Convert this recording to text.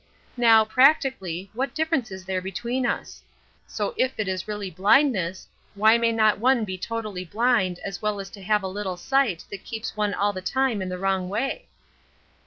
Now, practically, what difference is there between us? So if it is really blindness, why may not one be totally blind as well as to have a little sight that keeps one all the time in the wrong way?"